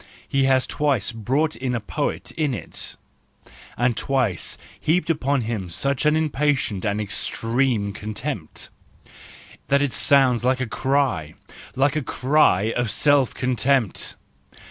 He has twice brought in a poet in it, and twice heaped upon him such an impatient and extreme contempt, that it sounds like a cry,—like the cry of self contempt.